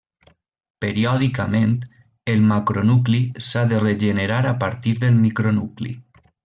Periòdicament, el macronucli s'ha de regenerar a partir del micronucli.